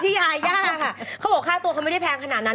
เขาบอกฆ่าตัวเขาไม่ได้แพงขนาดนั้น